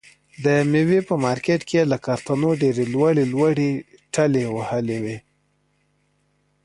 د مېوې په مارکېټ کې یې له کارتنو ډېرې لوړې لوړې ټلې وهلې وي.